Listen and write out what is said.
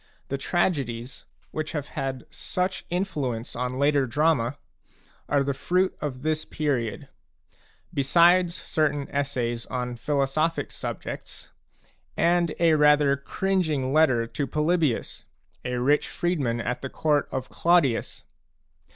The tragedies, which have had such influence on later drama, are the fruit of this period, besides certain essays on philosophic subjects, and a rather cringing letter to Polybius, a rich freedman at the court of Claudius.